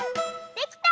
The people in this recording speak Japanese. できた！